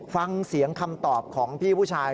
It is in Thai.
ฟังเสียงคำตอบของพี่ผู้ชาย